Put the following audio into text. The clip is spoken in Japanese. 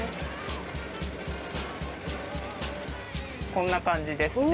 こんな感じですね。